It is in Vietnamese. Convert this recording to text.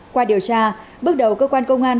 qua điều tra bước đầu cơ quan công an